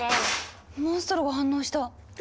モンストロが反応した。